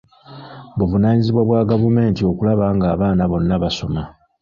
Buvunaanyizibwa bwa gavumenti okulaba ng'abaana bonna basoma.